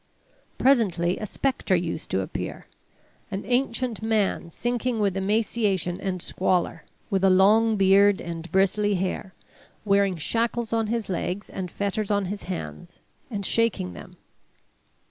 Presently a specter used to appear, an ancient man sinking with emaciation and squalor, with a long beard and bristly hair, wearing shackles on his legs and fetters on his hands, and shaking them.